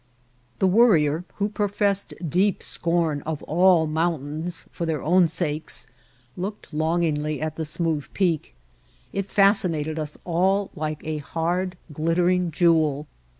The Worrier, who professed deep scorn of all mountains for their own sakes, looked longingly at the smooth peak. It fascinated us all like a hard, glittering jewel.